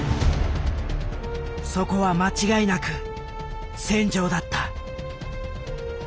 そこは間違いなく戦場だった。